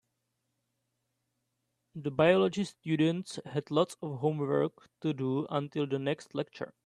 The biology students had lots of homework to do until the next lecture.